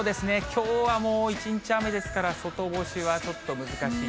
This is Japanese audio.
きょうは、もう一日雨ですから、外干しはちょっと難しい。